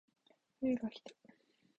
冬がきた